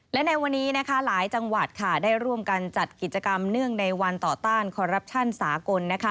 และในวันนี้หลายจังหวัดได้ร่วมกันจัดกิจกรรมเนื่องในวันต่อต้านคอรัปชั่นสากล